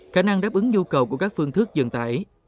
khả năng đáp ứng nhu cầu của các phương thức dân tải